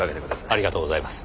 ありがとうございます。